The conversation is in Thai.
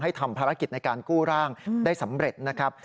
ทำภารกิจในการกู้ร่างได้สำเร็จนะครับ